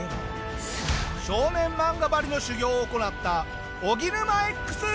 少年漫画ばりの修業を行ったおぎぬまＸ！